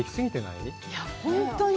いや、本当に。